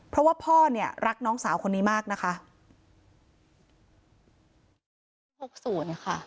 เพราะว่าพ่อเนี่ยรักน้องสาวคนนี้มากนะคะ